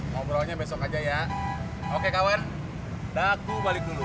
ngobrolnya besok aja ya oke kawen aku balik dulu